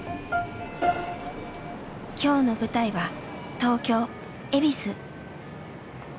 今日の舞台は東京恵比寿。